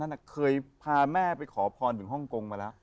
ซึ่งเคยพาแม่ขอบครของแม่ไปห้องโกง